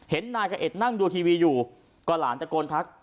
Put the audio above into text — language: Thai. เห็นนายกะเอ็ดนั่งดูทีวีอยู่ก็หลานตะโกนทัก